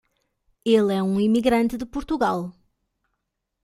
Ele é um imigrante de Portugal.